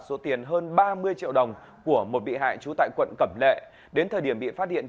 số tiền hơn ba mươi triệu đồng của một bị hại trú tại quận cẩm lệ đến thời điểm bị phát hiện